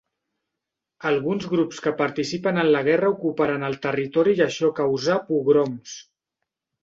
Alguns grups que participen en la guerra ocuparen el territori i això causà pogroms.